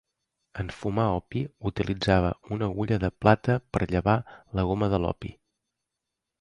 En fumar opi, utilitzava una agulla de plata per llevar la goma de l'opi.